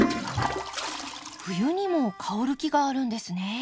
冬にも香る木があるんですね。